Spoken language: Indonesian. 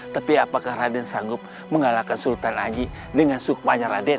tapi apakah raden sanggup mengalahkan sultan haji dengan sukmanya raden